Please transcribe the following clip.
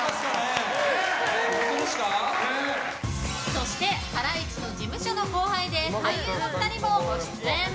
そしてハライチの事務所の後輩で俳優の２人もご出演。